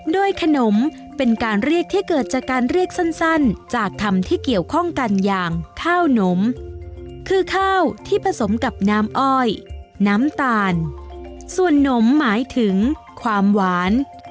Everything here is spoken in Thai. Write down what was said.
โดยขนมเป็นการเรียกที่เกิดจากการเรียกสั้นจากธรรมที่เกี่ยวข้องกันอย่างข้าวนมคือข้าวที่ผสมกับน้ำอ้อยน้ำตาลส่วนนมหมายถึงความหวาน